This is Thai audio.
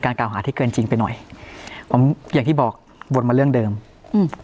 กล่าวหาที่เกินจริงไปหน่อยผมอย่างที่บอกวนมาเรื่องเดิมอืม